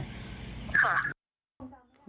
ค่ะ